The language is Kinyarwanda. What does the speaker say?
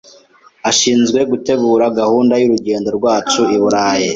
Ashinzwe gutegura gahunda y'urugendo rwacu i Burayi.